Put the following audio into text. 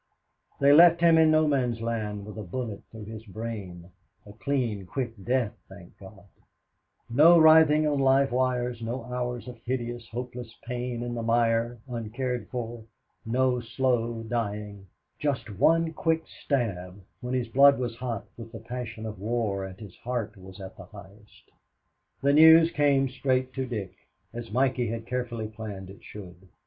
They left him in No Man's Land, with a bullet through his brain a clean, quick death, thank God no writhing on live wires, no hours of hideous, hopeless pain in the mire, uncared for, no slow dying just one quick stab when his blood was hot with the passion of war and his heart was at the highest. The news came straight to Dick, as Mikey had carefully planned it should.